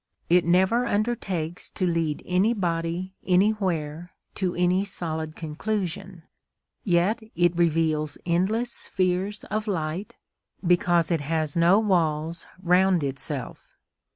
It never undertakes to lead anybody anywhere to any solid conclusion; yet it reveals endless spheres of light, because it has no walls round itself.